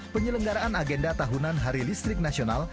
penyelenggaraan agenda tahunan hari listrik nasional